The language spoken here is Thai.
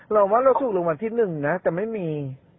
เราว่าเราซุกลงมาที่หนึ่งนะแต่ไม่มี